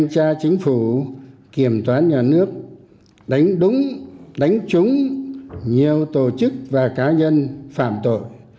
tra chính phủ kiểm toán nhà nước đánh đúng đánh trúng nhiều tổ chức và cá nhân phạm tội